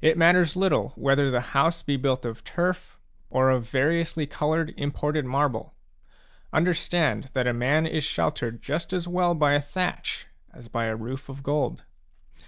It matters little whether the house be built of turf, or of variously coloured imported marble ; understand that a man is sheltered just as well by a thatch as by a roof of gold.